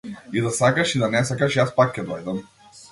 И да сакаш и да не сакаш јас пак ќе дојдам.